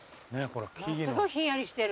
すごいひんやりしてる。